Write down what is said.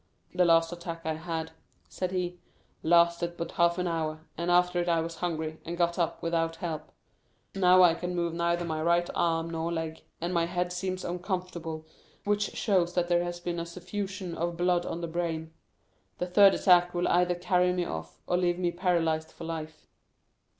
"The last attack I had," said he, "lasted but half an hour, and after it I was hungry, and got up without help; now I can move neither my right arm nor leg, and my head seems uncomfortable, which shows that there has been a suffusion of blood on the brain. The third attack will either carry me off, or leave me paralyzed for life."